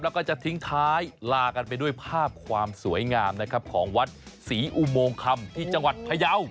แล้วก็จะทิ้งท้ายลากันไปด้วยภาพความสวยงามนะครับของวัดศรีอุโมงคำที่จังหวัดพยาว